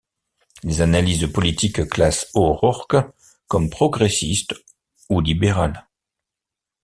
Les analystes politiques classent O'Rourke comme progressiste ou libéral.